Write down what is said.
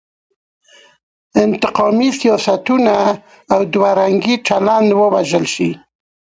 انتقامي سیاستونه او دوه رنګی چلن ووژل شي.